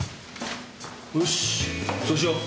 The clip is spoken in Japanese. よしそうしよう。